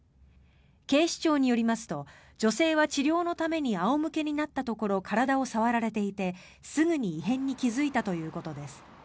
警視庁によりますと女性は治療のために仰向けになったところ体を触られていて、すぐに異変に気付いたということです。